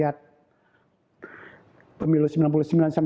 yang terakhir adalah